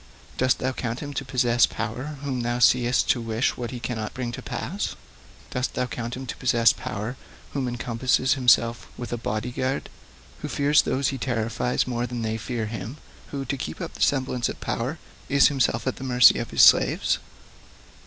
Dost thou count him to possess power whom thou seest to wish what he cannot bring to pass? Dost thou count him to possess power who encompasses himself with a body guard, who fears those he terrifies more than they fear him, who, to keep up the semblance of power, is himself at the mercy of his slaves?